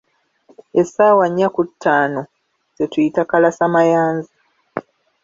Essaawa nnya okutuuka ku ttaano ze tuyita "akalasa mayanzi" .